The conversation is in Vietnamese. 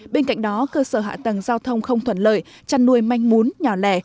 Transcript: bên cạnh đó cơ sở hạ tầng giao thông không thuận lợi chăn nuôi manh mún nhỏ lẻ